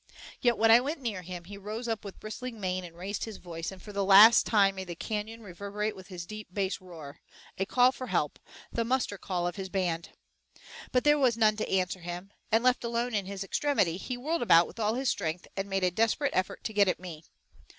Yet, when I went near him, he rose up with bristling mane and raised his voice, and for the last time made the canyon reverberate with his deep bass roar, a call for help, the muster call of his band. But there was none to answer him, and, left alone in his extremity, he whirled about with all his strength and made a desperate effort to get at me.